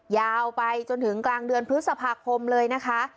ยาวไปจนถึงกลางเดือนพฤษภาคมเลยนะคะ